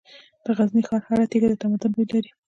د غزني ښار هره تیږه د تمدن بوی لري.